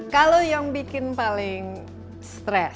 kalau yang bikin paling stres